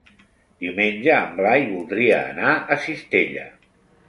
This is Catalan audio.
Diumenge en Blai voldria anar a Cistella.